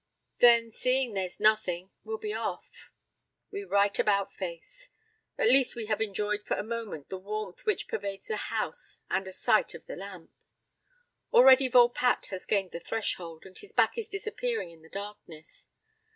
"Then seeing there's nothing, we'll be off." We right about face. At least we have enjoyed for a moment the warmth which pervades the house and a sight of the lamp. Already Volpatte has gained the threshold and his back is disappearing in the darkness.